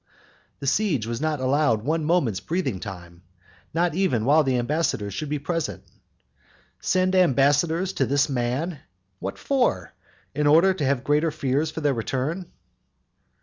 The siege was not allowed one moment's breathing time, not even while the ambassadors should be present. Send ambassadors to this man! What for? in order to have great fears for their return?